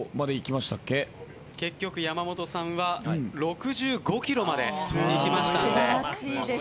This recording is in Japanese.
結局、山本さんは６５ｋｍまで行きました。